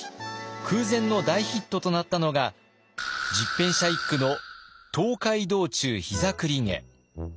空前の大ヒットとなったのが十返舎一九の「東海道中膝栗毛」。